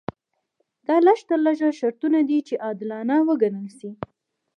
دا لږ تر لږه شرطونه دي چې عادلانه وګڼل شي.